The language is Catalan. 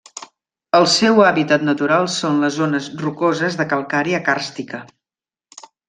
El seu hàbitat natural són les zones rocoses de calcària càrstica.